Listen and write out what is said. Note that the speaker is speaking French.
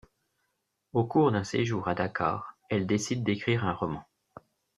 Au cours d'un séjour à Dakar, elle décide d’écrire un roman.